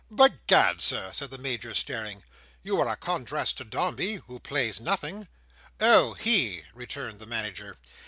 "By Gad, Sir!" said the Major, staring, "you are a contrast to Dombey, who plays nothing." "Oh! He!" returned the Manager.